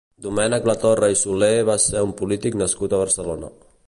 Domènec Latorre i Soler va ser un polític nascut a Barcelona.